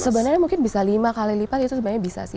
sebenarnya mungkin bisa lima kali lipat itu sebenarnya bisa sih